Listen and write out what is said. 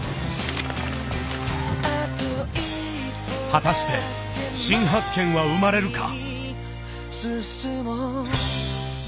果たして新発見は生まれるか。